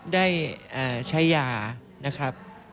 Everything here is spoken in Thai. ได้ใช้ยา